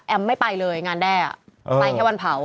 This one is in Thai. ไม่ไปเลยงานแด้ไปแค่วันเผา